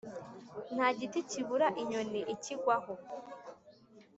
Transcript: Nta giti kibura inyoni ikigwaho.